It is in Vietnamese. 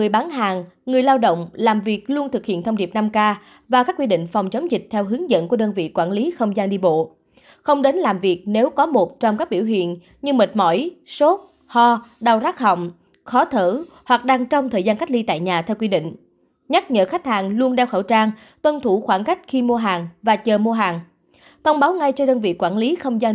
bố trí biển báo quy định phòng chống dịch bố trí đầy đủ nước sát khoảng tay